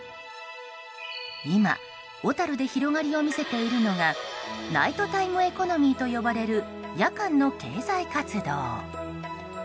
今、小樽で広がりを見せているのがナイトタイムエコノミーと呼ばれる、夜間の経済活動。